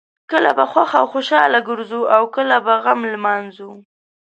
کله به خوښ او خوشحاله ګرځو او کله به غم لمانځو.